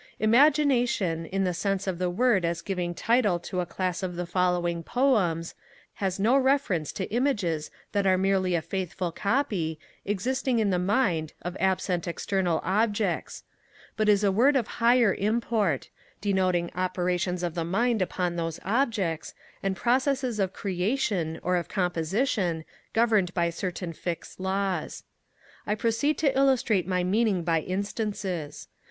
Imagination, in the sense of the word as giving title to a class of the following Poems, has no reference to images that are merely a faithful copy, existing in the mind, of absent external objects; but is a word of higher import, denoting operations of the mind upon those objects, and processes of creation or of composition, governed by certain fixed laws. I proceed to illustrate my meaning by instances.